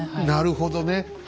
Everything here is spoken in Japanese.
なるほどね。